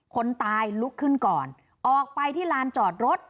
คนตายลุกขึ้นก่อนออกไปที่ลานจอดรถ